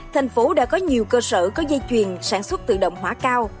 thành phố đã có nhiều cơ sở có dây chuyền sản xuất tự động hóa cao